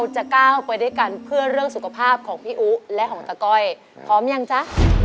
จะก้าวไปด้วยกันเพื่อเรื่องสุขภาพของพี่อุ๊และของตะก้อยพร้อมยังจ๊ะ